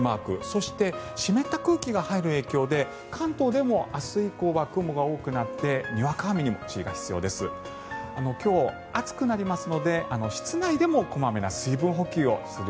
そして、湿った空気が入る影響で関東でも明日以降は雲が多くなってにわか雨にも注意が必要です。